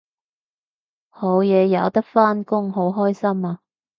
好嘢有得返工好開心啊！